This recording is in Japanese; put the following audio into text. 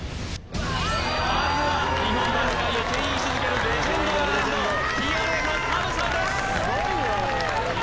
まずは日本ダンス界をけん引し続けるレジェンド・オブ・レジェンドＴＲＦのＳＡＭさんです